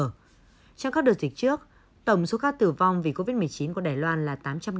trong các đợt dịch trước tổng số ca tử vong vì covid một mươi chín của đài loan là tám trăm ba mươi ca